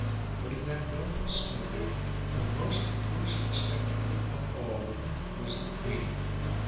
But, in that wealth of splendour, the most imposing spectacle of all was the Queen.